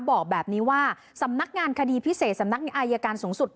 บอกแบบนี้ว่าสำนักงานคดีพิเศษสำนักอายการสูงสุด